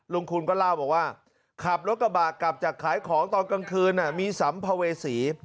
คูณก็เล่าบอกว่าขับรถกระบะกลับจากขายของตอนกลางคืนมีสัมภเวษี